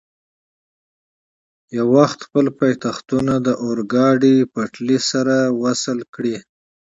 یو وخت خپل پایتختونه د اورګاډي پټلۍ سره وصل کړي.